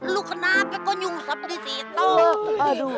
lu kenapa kau nyusap disitu